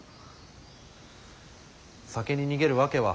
酒に逃げる訳は？